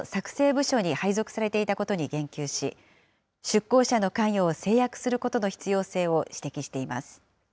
部署に配属されていたことに言及し、出向者の関与を制約することの必要性を指摘しています。